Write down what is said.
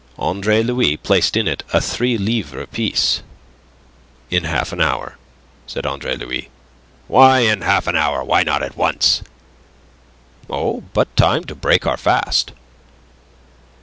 Andre Louis placed in it a three livre piece. "In half an hour," said Andre Louis. "Why in half an hour? Why not at once?" "Oh, but time to break our fast."